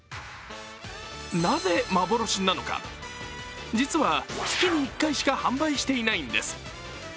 なぜ幻なのか、実は月に１回しか販売していないんです。